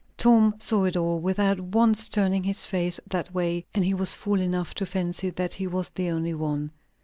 Tom saw it all, without once turning his face that way; and he was fool enough to fancy that he was the only one.